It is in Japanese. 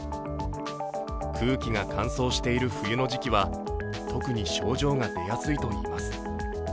空気が乾燥している冬の時期は特に症状が出やすいといいます。